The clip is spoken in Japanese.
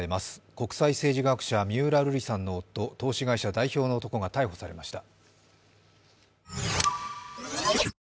国際政治学者、三浦瑠麗さんの夫投資会社代表の男が逮捕されました。